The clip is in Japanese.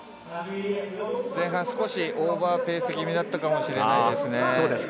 前半、少しオーバーペース気味だったかもしれないですね。